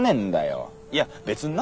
いや別にな